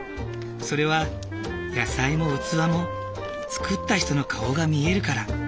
それは野菜も器も作った人の顔が見えるから。